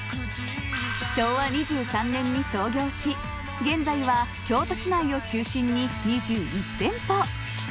昭和２３年に創業し現在は京都市内を中心に２１店舗。